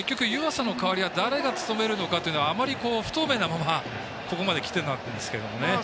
結局、湯浅の代わりは誰が務めるのかというのはあまり不透明なままここまで、きているんですけどね。